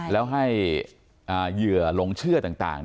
แล้วให้เหยื่อหลงเชื่อต่าง